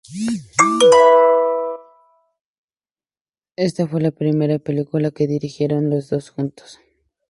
Ésta fue la primera película que dirigieron los dos juntos.